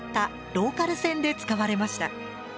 ローカル線で使われました。